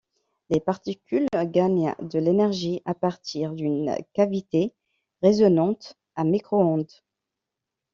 Les particules gagnent de l'énergie à partir d'une cavité résonante à micro-ondes.